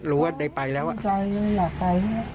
รู้ว่าได้ไปแล้วอ่ะ